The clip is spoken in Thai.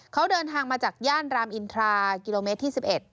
เขาเดินทางมาจากย่านรามอินทรากิโลเมตรที่๑๑